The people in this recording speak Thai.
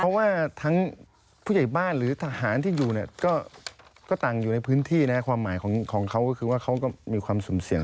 เพราะว่าทั้งผู้ใหญ่บ้านหรือทหารที่อยู่เนี่ยก็ต่างอยู่ในพื้นที่นะความหมายของเขาก็คือว่าเขาก็มีความสุ่มเสี่ยง